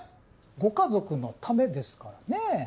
ご家族のためですからね。